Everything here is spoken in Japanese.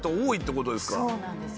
そうなんですよね。